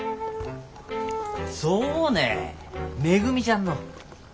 そうねめぐみちゃんの。